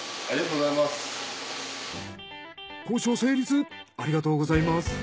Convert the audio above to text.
ありがとうございます。